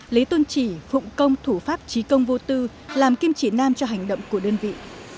lấy tôn chỉ phụng công thủ pháp trí công vô tư làm kim chỉ nam cho hành động của đơn vị